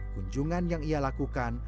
kunjungan yang ia lakukan